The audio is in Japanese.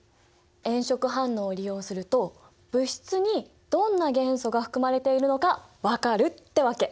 炎色反応を利用すると物質にどんな元素が含まれているのか分かるってわけ！